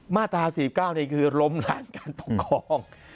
มาตรา๔๙นี่คือล้มล้างการปกครอง